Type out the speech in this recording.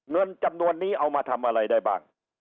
เงินจำนวนนี้เอามาทำอะไรได้บ้าง